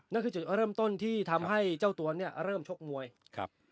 นั่นคือจุดเริ่มต้นที่ทำให้เจ้าตัวเนี่ยเริ่มชกมวยครับ